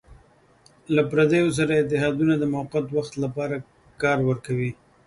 له پردیو سره اتحادونه د موقت وخت لپاره کار ورکوي.